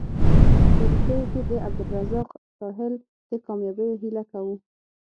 په وروستیو کې د عبدالرزاق راحل د کامیابیو هیله کوو.